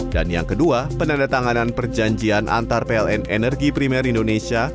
dan yang kedua penanda tanganan perjanjian antar pln energi primer indonesia